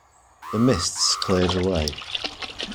The mists cleared away.